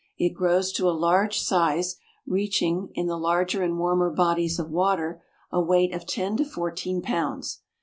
It grows to a large size, reaching, in the larger and warmer bodies of water, a weight of ten to fourteen pounds.